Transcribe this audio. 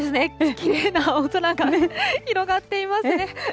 きれいな青空が広がっていますね。